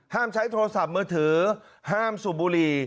ใช้โทรศัพท์มือถือห้ามสูบบุหรี่